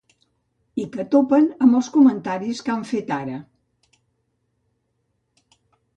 I que topen amb els comentaris que han fet ara.